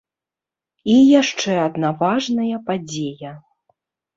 І яшчэ адна важная падзея.